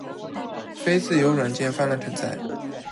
非自由软件泛滥成灾